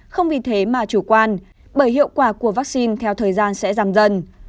không vì thế mà chủ quan bởi hiệu quả của vaccine theo thời gian sẽ giảm dần